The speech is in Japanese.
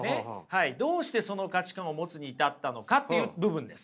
どうしてその価値観を持つに至ったのかっていう部分です。